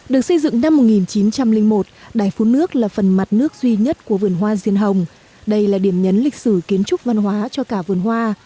được xây dựng năm một nghìn chín trăm linh một đài phun nước là phần mặt nước duy nhất của vườn hoa riêng hồng đây là điểm nhấn lịch sử kiến trúc văn hóa cho cả vườn hoa